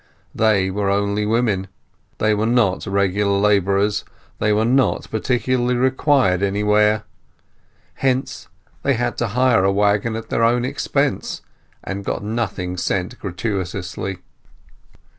They were only women; they were not regular labourers; they were not particularly required anywhere; hence they had to hire a waggon at their own expense, and got nothing sent gratuitously.